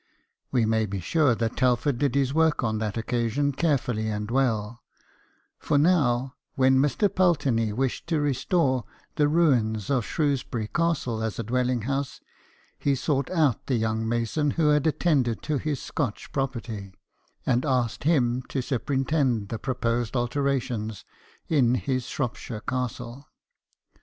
We may be sure that Telford did his work on that occasion carefully and well ; for now, when Mr. Pulteney wished to restore the ruins of Shrewsbury Castle as a dwelling house, he sought out the young mason who had attended to his Scotch property, and asked him to super intend the proposed alterations in his Shropshire castle.